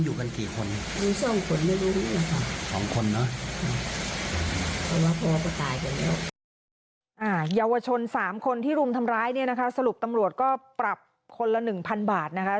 เยาวชน๓คนที่รุมทำร้ายเนี่ยนะคะสรุปตำรวจก็ปรับคนละ๑๐๐บาทนะคะ